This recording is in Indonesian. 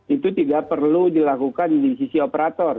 itu tidak perlu dilakukan di sisi operator